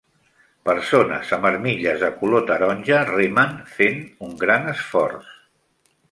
Persones amb armilles de color taronja remen fent un gran esforç.